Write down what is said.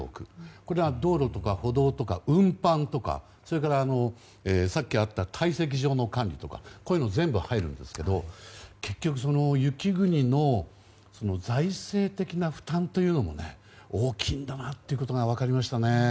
これは道路とか歩道とか運搬とかそれからさっきあった堆積場の管理とかこういうのが全部入るんですけど結局、雪国の財政的な負担というのが大きいんだなということが分かりましたね。